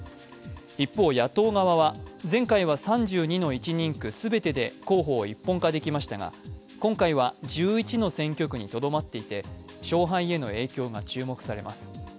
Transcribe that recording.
一方、野党側は、前回は３２の１人区全てで候補を一本化できましたが、今回は１１の選挙区にとどまっていて、勝敗への影響が注目されます。